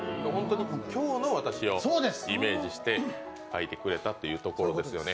今日の私をイメージして書いてくれたというところですね。